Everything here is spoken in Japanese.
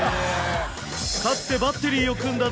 かつてバッテリーを組んだ